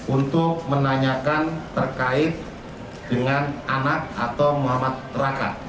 untuk menanyakan terkait dengan anak atau muhammad raka